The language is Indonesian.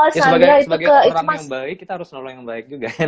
sebagai orang yang baik kita harus selalu yang baik juga